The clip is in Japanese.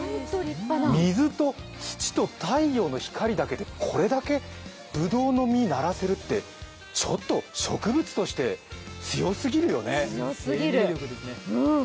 水と土と太陽の光だけでこれだけぶどうの実、成らせるってちょっと植物として強すぎるよね。